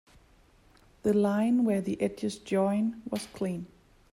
The line where the edges join was clean.